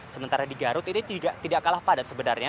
sementara di garut ini tidak kalah padat sebenarnya